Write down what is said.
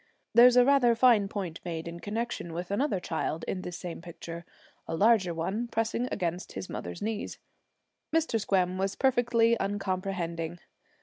There's a rather fine point made in connection with another child in this same picture a larger one, pressing against his mother's knees.' Mr. Squem was perfectly uncomprehending.